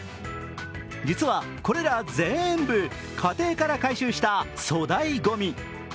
実はこれら全部、家庭から回収した粗大ごみ。